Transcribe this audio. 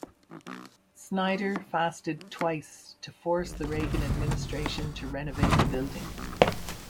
Snyder fasted twice to force the Reagan administration to renovate the building.